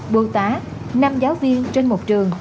bưu tá năm giáo viên trên một trường